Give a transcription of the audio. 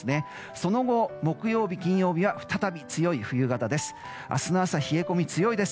その後、木曜日、金曜日は再び強い冬型です。